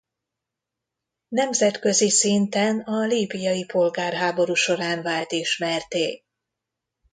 Nemzetközi szinten a líbiai polgárháború során vált ismertté.